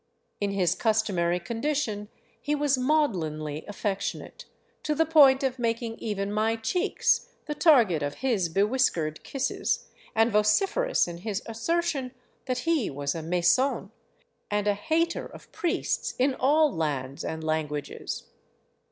In his customary condition he 401 VAGABONDING DOWN THE ANDES was maudlinly affectionate, to the point of making even my cheeks the target of his bewhiskered kisses, and vociferous in his assertion that he was a " mason " and a hater of priests in all lands and lan guages.